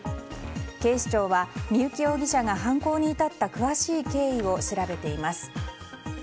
警視庁は三幸容疑者が犯行に至った詳しい経緯を調べています。